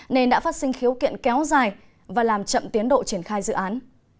nên đã phát sinh khiếu kiện kéo dài và làm chậm tiến độ triển khai dự án